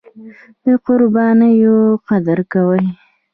د قربانیو قدر کوي.